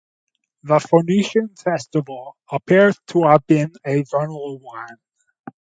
The Phoenician festival appears to have been a vernal one.